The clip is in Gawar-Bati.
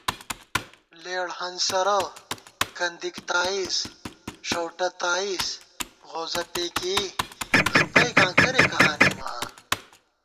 لېڑ ہنسَرہ، کندِک تائیز، ݭؤٹہ تائیز، غوزہ پېکېئی، ݫُپئیکاں کریَکہ آنېمہ آں